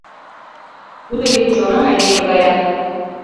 Тудо вет чонан айдеме гаяк.